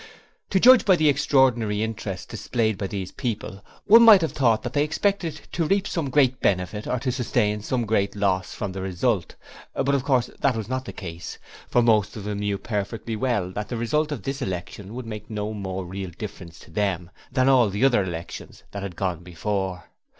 To judge by the extraordinary interest displayed by these people, one might have thought that they expected to reap some great benefit or to sustain some great loss from the result, but of course that was not the case, for most of them knew perfectly well that the result of this election would make no more real difference to them than all the other elections that had gone before.